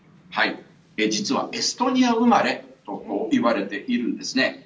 実はエストニア生まれといわれているんです。